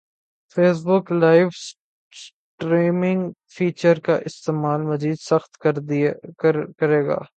face بک live streaming feature کا استعمال مزید سخت کریگا